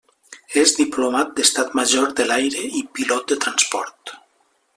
És Diplomat d'Estat Major de l'Aire i pilot de transport.